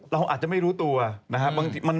เราอาจจะไม่รู้ตัวนะครับ